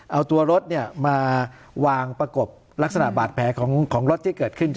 เอาตัวรถมาวางประกบลักษณะบาดแผลของรถที่เกิดขึ้น